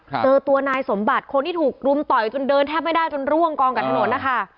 เจอตัวนายสมบัติคนที่ถูกรุมต่อยจนเดินแทบไม่ได้จนร่วงกองกับถนนนะคะ